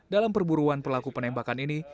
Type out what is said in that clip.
dalam perburuan pelaku penembakan ini